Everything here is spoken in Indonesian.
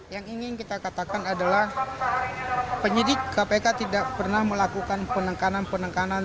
yang ingin kita katakan adalah penyidik kpk tidak pernah melakukan penekanan penekanan